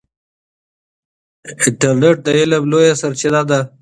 انټرنیټ د علم لویه سرچینه ده.